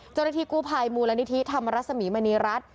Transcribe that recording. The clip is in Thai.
จริงกู้ภัยมูลนิธิธรรมรสมิมณีรัฐ